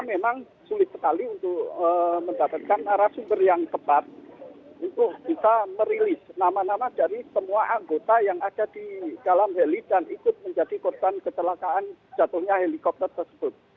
memang sulit sekali untuk mendapatkan arah sumber yang tepat untuk bisa merilis nama nama dari semua anggota yang ada di dalam heli dan ikut menjadi korban kecelakaan jatuhnya helikopter tersebut